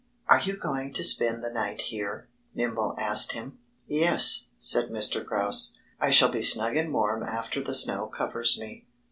"Are you going to spend the night here?" Nimble asked him. "Yes!" said Mr. Grouse. "I shall be snug and warm after the snow covers me."